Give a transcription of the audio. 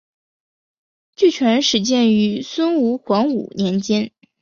据传始建于孙吴黄武年间。